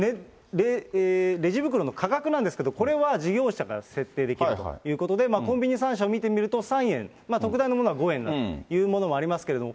レジ袋の価格なんですけれども、これは事業者が設定できるということで、コンビニ３社を見てみると、３円、特大のものは５円なんていうものもありますけれども。